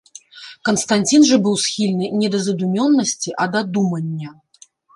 Канстанцін жа быў схільны не да задумёнасці, а да думання.